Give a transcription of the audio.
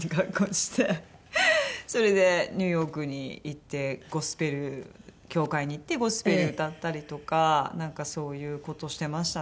それでニューヨークに行ってゴスペル教会に行ってゴスペル歌ったりとかなんかそういう事してましたね。